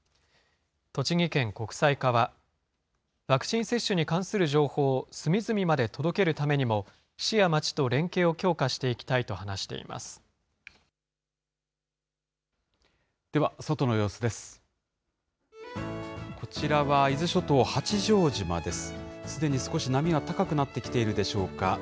栃木県国際課は、ワクチン接種に関する情報を隅々まで届けるためにも、市や町と連携を強化していきたいと話しています。